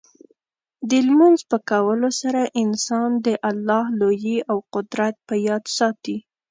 د لمونځ په کولو سره انسان د الله لویي او قدرت په یاد ساتي.